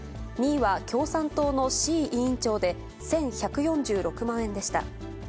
２位は共産党の志位委員長で１１４６万円でした。